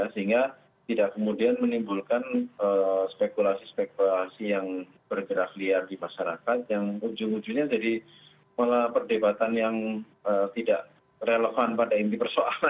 sehingga tidak kemudian menimbulkan spekulasi spekulasi yang bergerak liar di masyarakat yang ujung ujungnya jadi pola perdebatan yang tidak relevan pada inti persoalan